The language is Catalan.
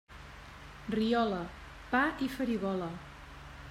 Riola, pa i farigola.